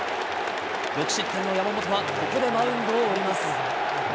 ６失点の山本はここでマウンドを降ります。